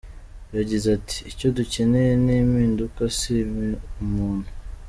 Yagize ati “Icyo dukeneye ni impinduka si umuntu.